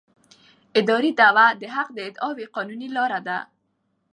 اداري دعوه د حق د اعادې قانوني لاره ده.